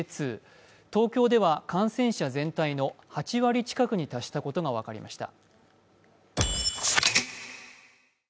東京では感染者全体の８割近くに達したことが分かりました。